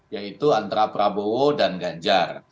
yaitu antara prabowo dan ganjar